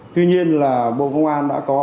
tuy nhiên là bộ công an đã có